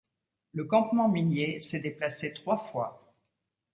Le campement minier s'est déplacé trois fois.